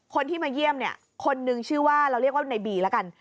คนที่มาเยี่ยมเนี่ยคนนึงชื่อว่าเราเรียกว่าในบีแล้วกัน